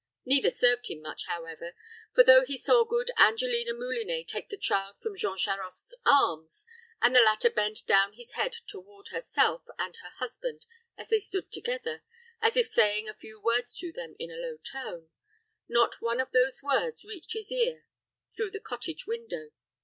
Neither served him much, however; for, though he saw good Angelina Moulinet take the child from Jean Charost's arms, and the latter bend down his head toward herself and her husband as they stood together, as if saying a few words to them in a low tone, not one of those words reached his ear through the cottage window.